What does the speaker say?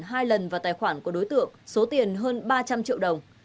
chị hợp đã đặt năm mươi thùng rượu vang vào tài khoản của đối tượng số tiền hơn ba trăm linh triệu đồng